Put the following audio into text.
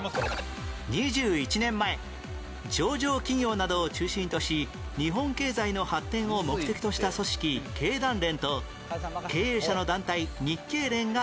２１年前上場企業などを中心とし日本経済の発展を目的とした組織「経団連」と経営者の団体「日経連」が統合